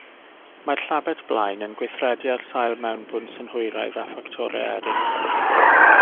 Mae'r llabed blaen yn gweithredu ar sail mewnbwn synhwyraidd a ffactorau eraill.